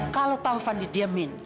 kalau taufan didiemin